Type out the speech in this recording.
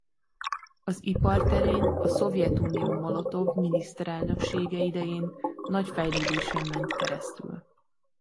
Az ipar terén a Szovjetunió Molotov miniszterelnöksége idején nagy fejlődésen ment keresztül.